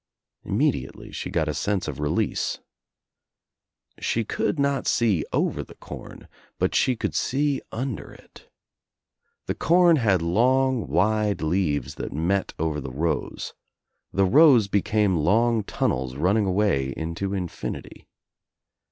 Immediately she got a sense of release. She could not see over the corn but she could sec under it. The corn had long wide leaves that met over the rows. The rows became long tunnels running away into in finity.